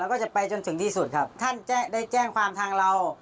แล้วก็จะไปจนถึงที่สุดครับท่านได้แจ้งความทางเรา